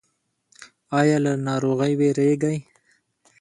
ایا له ناروغۍ ویریږئ؟